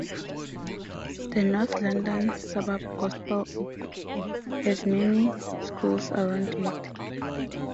The North London Suburb, Gospel Oak, has many schools around it.